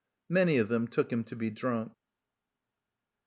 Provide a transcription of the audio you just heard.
Many of them took him to be drunk.